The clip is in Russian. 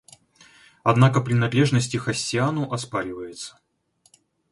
Однако принадлежность их Оссиану оспаривается.